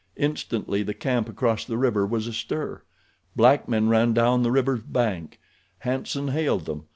Instantly the camp across the river was astir. Black men ran down the river's bank. Hanson hailed them.